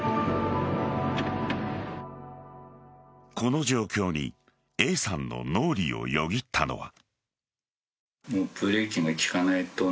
この状況にＡさんの脳裏をよぎったのは。